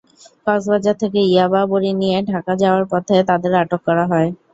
কক্সবাজার থেকে ইয়াবা বড়ি নিয়ে ঢাকা যাওয়ার পথে তাঁদের আটক করা হয়।